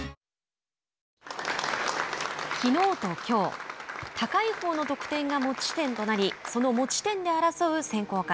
きのうときょう高いほうの得点が持ち点となりその持ち点で争う選考会。